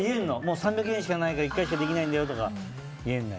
３００円しかないから１回しかできないんだよとか